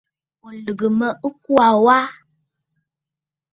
Ò lɨ̀gə̀ mə ɨkuu aa wa?